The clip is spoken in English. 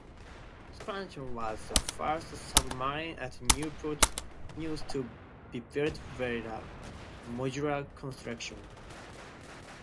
"Scranton" was the first submarine at Newport News to be built via "modular construction".